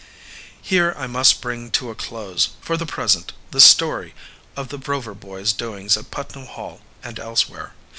Here I must bring to a close, for the present, the story of the Rover Boys' doings at Putnam Hall and elsewhere.